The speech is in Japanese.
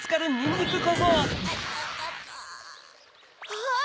あっ！